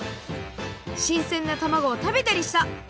しんせんなたまごをたべたりした。